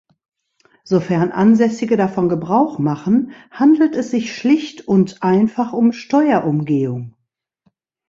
Sofern Ansässige davon Gebrauch machen, handelt es sich schlicht und einfach um Steuerumgehung.